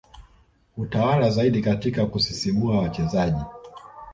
hutawala zaidi katika kusisimua wachezaji